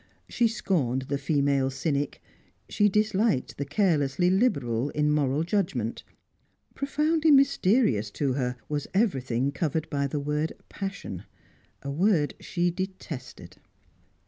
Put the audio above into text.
She scorned the female cynic; she disliked the carelessly liberal in moral judgment. Profoundly mysterious to her was everything covered by the word "passion" a word she detested.